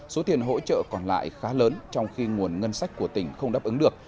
số tiền hỗ trợ còn lại khá lớn trong khi nguồn ngân sách của tỉnh không đáp ứng được